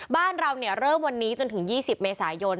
บ้านเราเริ่มวันนี้จนถึง๒๐เมษายน